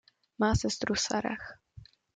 Má sestru Sarah.